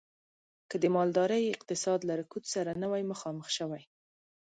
که د مالدارۍ اقتصاد له رکود سره نه وی مخامخ شوی.